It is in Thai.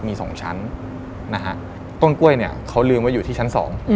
มี๒ชั้นต้นกล้วยเขาลืมว่าอยู่ที่ชั้น๒